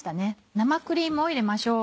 生クリームを入れましょう。